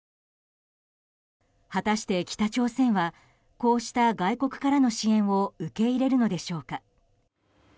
果たして、北朝鮮はこうした外国からの支援を受け入れるのでしょうか。